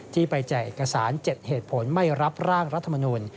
ที่ไปแจกเอกสาร๗เหตุผลไม่รับร่างรัฐมนุน